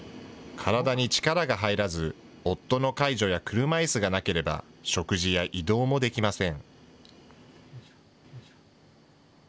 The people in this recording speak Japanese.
体に力が入らず、夫の介助や車いすがなければ食事や移動もできません。